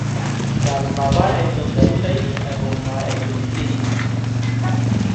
তার বাবা একজন ব্যবসায়ী ও মা একজন গৃহিণী।